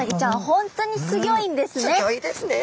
本当にすギョいんですね！